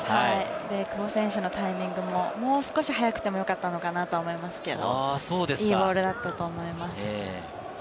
久保選手のタイミングももう少し早くてもよかったのかなと思いますけれども、いいボールだったと思います。